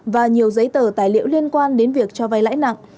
và nhiều giấy tờ tài liệu liên quan đến việc cho vay lãi nặng